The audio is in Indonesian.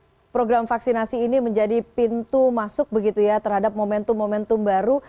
sekarang program vaksinasi ini menjadi pintu lemmas masih begitu ya terhadap momentum momentum baru